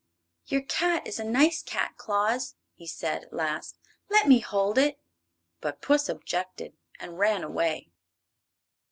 "Your cat is a nice cat, Claus," he said, at last. "Let me hold it." But puss objected and ran away.